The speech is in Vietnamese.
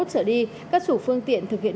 trở đi các chủ phương tiện thực hiện